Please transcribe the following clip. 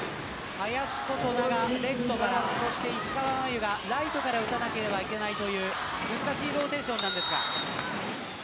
林琴奈がレフト、石川真佑がライトから打たなければいけないという難しいローテーションですが。